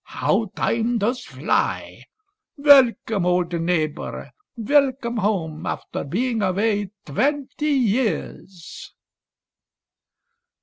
How time does fly ! Welcome, old neigh bor! Welcome home after being away twenty years."